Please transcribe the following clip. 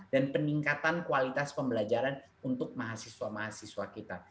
dan peningkatan kualitas pembelajaran untuk mahasiswa mahasiswa kita